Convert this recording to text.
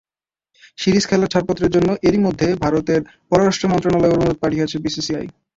Series খেলার ছাড়পত্রের জন্য এরই মধ্যে ভারতের পররাষ্ট্র মন্ত্রণালয়ে অনুরোধ পাঠিয়েছে বিসিসিআই।